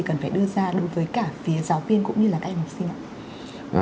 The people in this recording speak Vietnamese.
cần phải đưa ra đối với cả phía giáo viên cũng như là các em học sinh ạ